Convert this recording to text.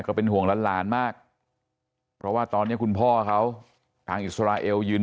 เป็นห่วงหลานมากเพราะว่าตอนนี้คุณพ่อเขาทางอิสราเอลยืน